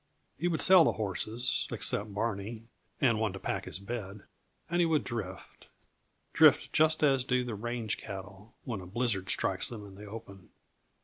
He would sell the horses, except Barney and one to pack his bed, and he would drift drift just as do the range cattle when a blizzard strikes them in the open.